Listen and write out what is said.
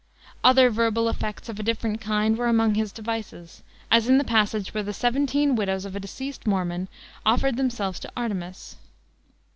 Other verbal effects of a different kind were among his devices, as in the passage where the seventeen widows of a deceased Mormon offered themselves to Artemus.